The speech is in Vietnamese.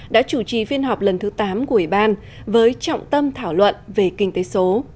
đã chủ trì phiên họp lần thứ tám của ủy ban với trọng tâm thảo luận về kinh tế số